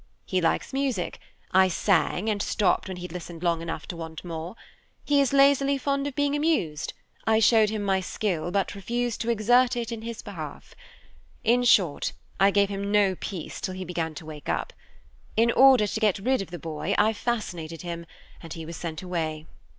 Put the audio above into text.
He likes music; I sang, and stopped when he'd listened long enough to want more. He is lazily fond of being amused; I showed him my skill, but refused to exert it in his behalf. In short, I gave him no peace till he began to wake up. In order to get rid of the boy, I fascinated him, and he was sent away.